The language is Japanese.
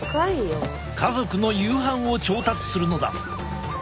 家族の夕飯を調達するのだ。